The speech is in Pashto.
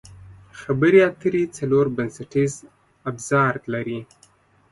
خبرې اترې څلور بنسټیز ابزار لري.